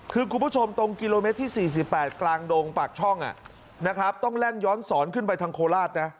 คือคุณผู้ชมตรงกิโลเมตรที่๔๘กลางดงปากช่องนะครับต้องแล่นย้อนสอนขึ้นไปทางโคราชนะ